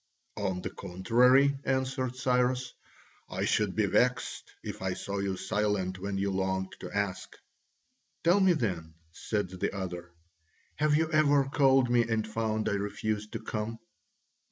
"On the contrary," answered Cyrus, "I should be vexed if I saw you silent when you longed to ask." "Tell me then," said the other, "have you ever called me and found I refused to come?"